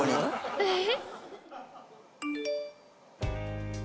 「えっ？」